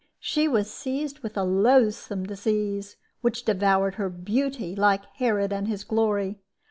She was seized with a loathsome disease, which devoured her beauty, like Herod and his glory.